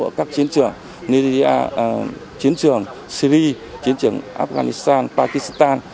ở các chiến trường syria chiến trường afghanistan pakistan